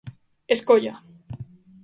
Escolla.